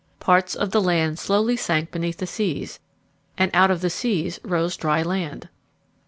Parts of the land slowly sank beneath the seas, and out of the seas rose dry land.